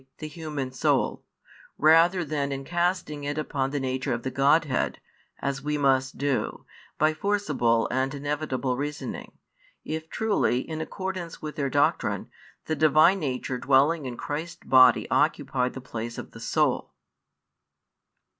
the human soul,] rather than in casting it upon the Nature of the Godhead, [as we must do] by forcible and inevitable reasoning, if truly (in accordance with their doctrine) the Divine Nature dwelling in Christ's body occupied the place of the soul?